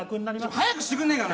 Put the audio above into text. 早くしてくんねえかな！